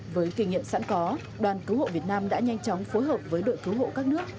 với kinh nghiệm sẵn có đoàn cứu hộ việt nam đã nhanh chóng phối hợp với đội cứu hộ các nước